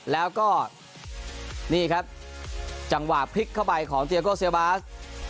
แล้วก็นี่ครับจังหวะพลิกเข้าไปของเตียโก้เซียบาส